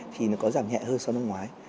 thì nó có giảm nhẹ hơn so với năm ngoái